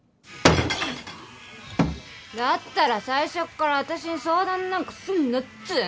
だったら最初っから私に相談なんかすんなっつうの！